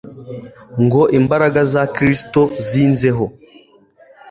ngo imbaraga za Kristo zinzeho